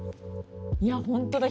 いや本当だ。